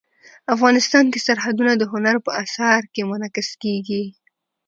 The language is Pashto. افغانستان کې سرحدونه د هنر په اثار کې منعکس کېږي.